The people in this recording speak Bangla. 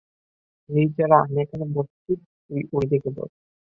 নির্জারা আমি এখানে বসছি, তুই ওইদিকে বস।